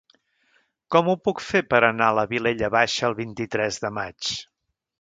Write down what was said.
Com ho puc fer per anar a la Vilella Baixa el vint-i-tres de maig?